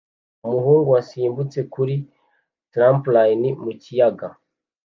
Umuhungu wasimbutse kuri trampoline mu kiyaga